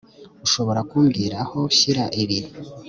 urashobora kumbwira aho nshyira ibi